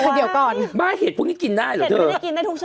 เห็ดพวกนี้กินได้เหรอเธอ